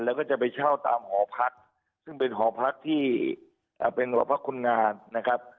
แล้วก็จะไปเช่าตามหอพักซึ่งเป็นหอพักที่เป็นหอพักคนงานนะครับ